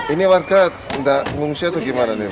ini warga tidak mengungsi atau bagaimana